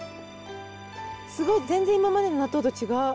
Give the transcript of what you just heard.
すごい全然今までの納豆と違う。